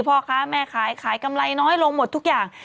พ่อค้าแม่ขายขายกำไรน้อยลงหมดทุกอย่าง